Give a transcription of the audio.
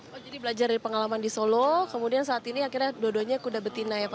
pak jadi belajar dari pengalaman di solo kemudian saat ini akhirnya dua duanya kuda betina ya pak